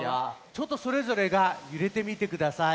ちょっとそれぞれがゆれてみてください。